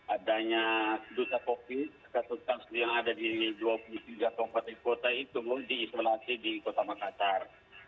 adanya duta covid kasus kasus yang ada di dua puluh tiga kabupaten kota itu diisolasi di kota makassar